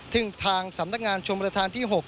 ถึงทางศามนักงานชมรฐานที่๖